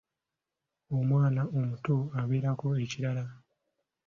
Omwana omuto abeerako ekirira.